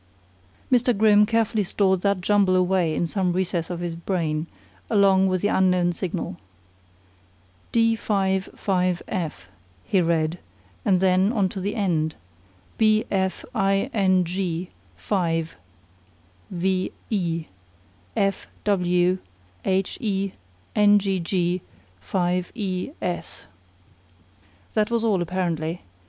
Mr. Grimm carefully stored that jumble away in some recess of his brain, along with the unknown signal. "D 5 5 f," he read, and then, on to the end: "B f i n g 5 v e f w h e n g g 5 e s." That was all, apparently.